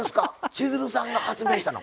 千鶴さんが発明したの？